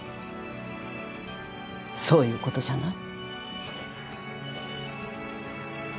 そういうことじゃない？